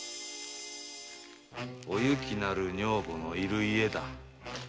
「おゆき」なる女房のいる家だ。